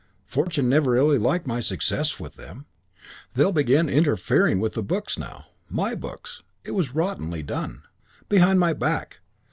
Fortune's never really liked my success with them. They'll begin interfering with the books now.... My books.... It was rottenly done. Behind my back.